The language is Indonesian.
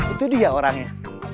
itu dia orangnya